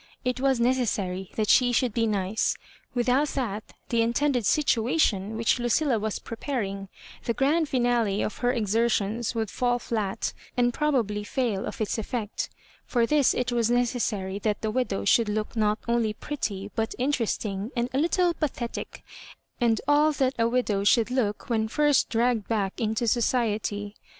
It was necessary she should be nice ; without that the intended sUucUion which Lucilla was preparing— the grand finale of her exertions — would fall flat, and probably fail of its effect For this it was necessary that the widow should look not only pretty, but interesting, and a little pathetic, and all that a widow should look when first dragged back into society.